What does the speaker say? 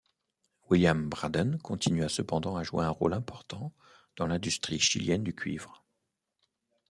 William Braden continua cependant à jouer un rôle important dans l'industrie chilienne du cuivre.